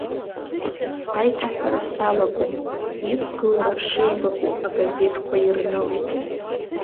Аиҭаҳәара салагом, иқәгылара шеибакәу агазеҭқәа ирнылеит.